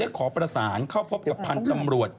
ขอประสานเข้าพบกับพันธุ์ตำรวจ